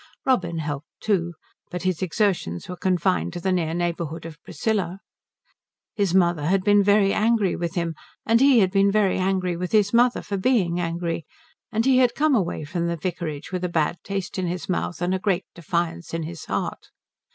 Robin helped too, but his exertions were confined to the near neighbourhood of Priscilla. His mother had been very angry with him, and he had been very angry with his mother for being angry, and he had come away from the vicarage with a bad taste in his mouth and a great defiance in his heart.